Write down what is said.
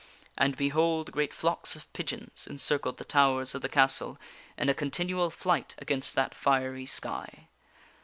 And, behold ! great flocks of pigeons encircled the towers of the castle in a continual flight against that fiery sky.